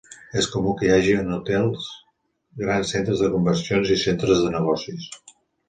És comú que hi hagi en hotels, grans centres de convencions i centres de negocis.